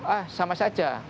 ah sama saja